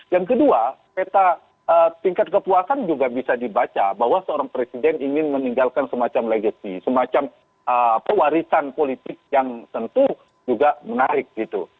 yang kedua peta tingkat kepuasan juga bisa dibaca bahwa seorang presiden ingin meninggalkan semacam legacy semacam pewarisan politik yang tentu juga menarik gitu